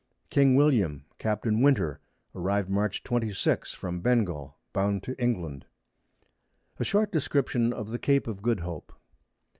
King William, Capt. Winter, arrived March 26. from Bengall, bound to England. A Short Description of the Cape of Good Hope.